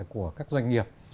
của các doanh nghiệp